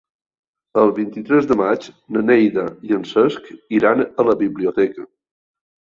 El vint-i-tres de maig na Neida i en Cesc iran a la biblioteca.